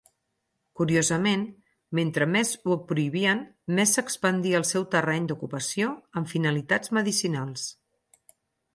Curiosament, mentre més ho prohibien més s'expandia el seu terreny d'ocupació amb finalitats medicinals.